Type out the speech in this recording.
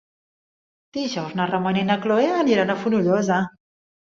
Dijous na Ramona i na Cloè aniran a Fonollosa.